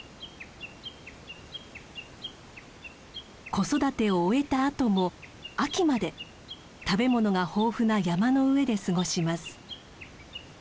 子育てを終えたあとも秋まで食べ物が豊富な山の上で過ごします。